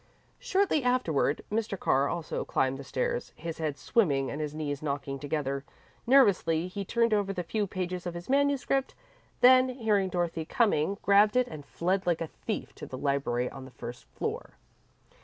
Shortly afterward, Mr. Carr also climbed the stairs, his head swimming and his knees knocking together. Nervously, he turned over the few pages of his manuscript, then, hearing Dorothy coming, grabbed it and fled like a thief to the library on the first floor.